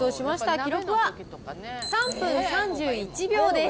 記録は３分３１秒です。